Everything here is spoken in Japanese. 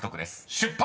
出発！］